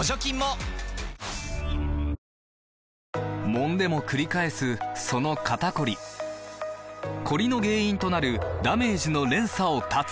もんでもくり返すその肩こりコリの原因となるダメージの連鎖を断つ！